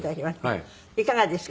いかがですか？